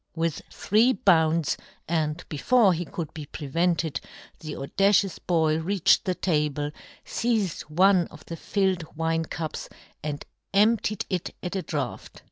"' With three bounds, and before he could be prevented, the audacious boy reached the table, feized one of the filled wine cups, and emptied it at a draught.